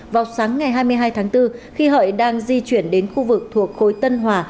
vào sáng ngày hai mươi hai tháng bốn khi hợi đang di chuyển đến khu vực thuộc khối tân hòa